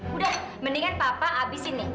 udah mendingan papa abisin nih